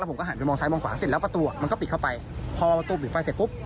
ผมก็หันไปมองซ้ายมองขวาเสร็จแล้วประตูอ่ะมันก็ปิดเข้าไปพอประตูปิดไฟเสร็จปุ๊บ